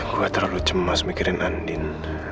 gue gak terlalu cemas mikirin andin